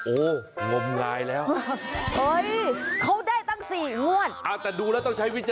โอวงมลายแล้ว